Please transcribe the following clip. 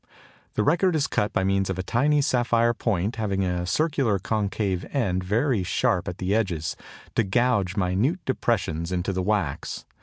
The record is cut by means of a tiny sapphire point having a circular concave end very sharp at the edges, to gouge minute depressions into the wax.